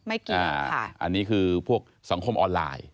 อันนี้คือพวกสังคมออนไลน์